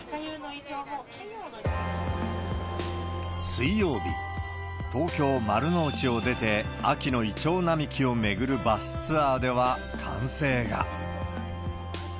水曜日、東京・丸の内を出て、秋のイチョウ並木を巡るバスツアーでは、歓声が。